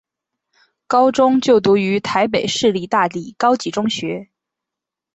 高中就读于台北市立大理高级中学。